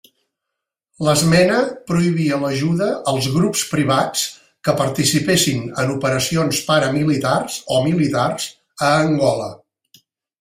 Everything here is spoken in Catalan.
L'esmena prohibia l'ajuda als grups privats que participessin en operacions paramilitars o militars a Angola.